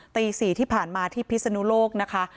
ตี๔ที่ผ่านมาที่พิศนุโลกนะคะ